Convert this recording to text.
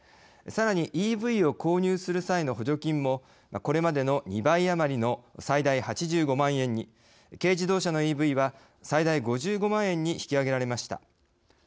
さらにＥＶを購入する際の補助金もこれまでの２倍余りの最大８５万円に軽自動車のＥＶは最大５５万円に引き上げられました。